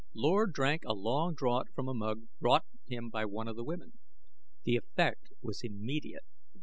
Lord drank a long draught from a mug brought him by one of the women. The effect was immediate.